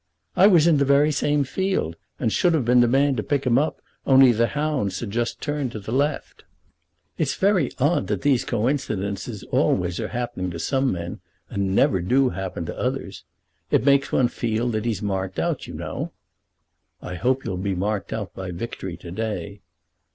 "I was in the very same field, and should have been the man to pick him up, only the hounds had just turned to the left. It's very odd that these coincidences always are happening to some men and never do happen to others. It makes one feel that he's marked out, you know." "I hope you'll be marked out by victory to day."